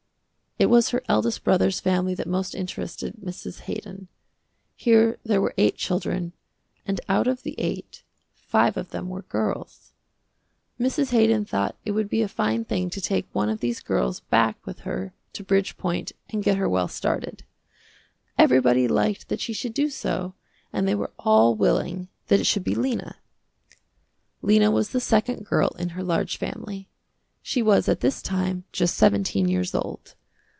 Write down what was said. It was her eldest brother's family that most interested Mrs. Haydon. Here there were eight children, and out of the eight, five of them were girls. Mrs. Haydon thought it would be a fine thing to take one of these girls back with her to Bridgepoint and get her well started. Everybody liked that she should do so and they were all willing that it should be Lena. Lena was the second girl in her large family. She was at this time just seventeen years old.